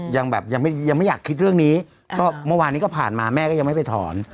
ยังไม่อยากคิดเรื่องนี้ก็เมื่อวานนี้ก็ผ่านมาแม่ก็ยังไม่ไปถอน